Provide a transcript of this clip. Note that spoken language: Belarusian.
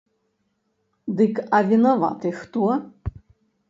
Дык а вінаваты хто?